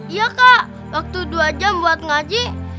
iya kak waktu dua jam buat ngaji